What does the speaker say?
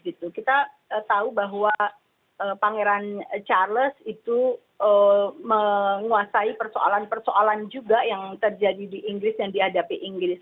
kita tahu bahwa pangeran charles itu menguasai persoalan persoalan juga yang terjadi di inggris dan dihadapi inggris